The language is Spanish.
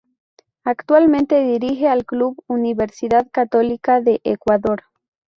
Actualmente dirige al club Universidad Católica de Ecuador.